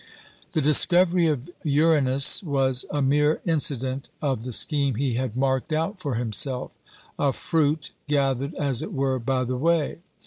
The discovery of Uranus was a mere incident of the scheme he had marked out for himself a fruit, gathered as it were by the way.